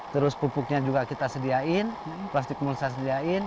terus pupuknya juga kita sediain plastik mulsa sediain